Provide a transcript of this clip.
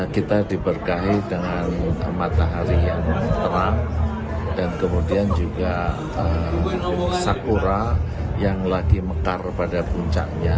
kita diberkahi dengan matahari yang terang dan kemudian juga sakura yang lagi mekar pada puncaknya